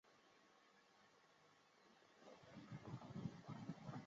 崇祯七年卒。